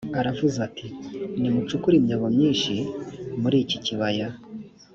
aravuze ati ‘’nimucukure imyobo myinshi muri iki kibaya.